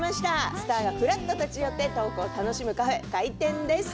スターがふらっと立ち寄ってトークを楽しむカフェ、開店です。